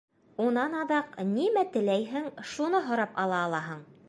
Унан аҙаҡ нимә теләйһең, шуны һорап ала алаһың!